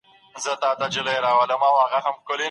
د حسد پر ځای بايد له خدای څخه د فضل غوښتنه وسي.